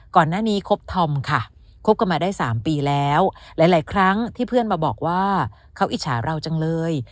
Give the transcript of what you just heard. ก่อนหน้านี้คบทอมค่ะคบกันมาได้๓ปีแล้วหลายครั้งที่เพื่อนมาบอกว่าเขาอิจฉาเราจังเลย